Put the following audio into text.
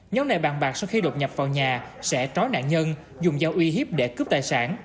nhóm này bàn bạc sau khi đột nhập vào nhà sẽ trói nạn nhân dùng dao uy hiếp để cướp tài sản